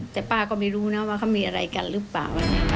แต่ป้าก็ไม่รู้นะว่าเขามีอะไรกันหรือเปล่า